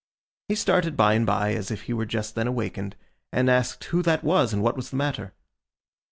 He started by and by as if he were just then awakened, and asked who that was, and what was the matter?